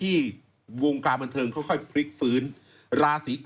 อีกตั้งครึ่งปี